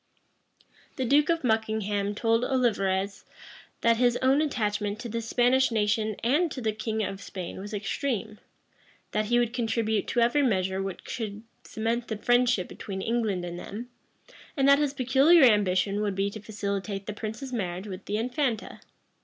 The duke of Buckingham told Olivarez, that his own attachment to the Spanish nation and to the king of Spain was extreme; that he would contribute to every measure which could cement the friendship between England and them; and that his peculiar ambition would be to facilitate the prince's marriage with the infanta.